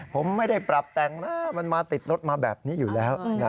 ผมไม่ได้ปรับแต่งนะมันมาติดรถมาแบบนี้อยู่แล้ว